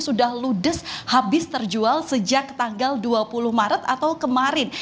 sudah ludes habis terjual sejak tanggal dua puluh maret atau kemarin